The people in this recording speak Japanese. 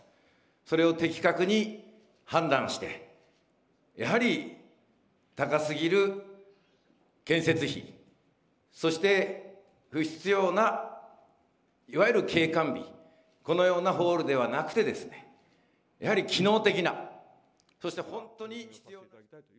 それを的確に判断して、やはり、高すぎる建設費、そして不必要ないわゆる景観美、このようなホールではなくてですね、やはり機能的な、そして本当に。